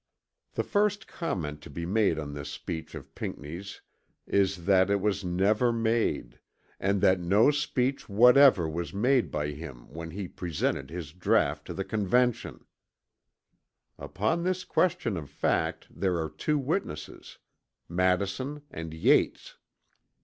The first comment to be made on this speech of Pinckney's is that it was never made, and that no speech whatever was made by him when he presented his draught to the Convention. Upon this question of fact there are two witnesses, Madison and Yates.